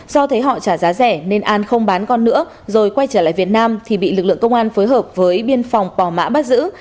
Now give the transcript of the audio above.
do thấy họ trả giá rẻ nên an không bán con nữa rồi quay trở lại việt nam thì bị lực lượng công an phối hợp với biên phòng pò mã bắt giữ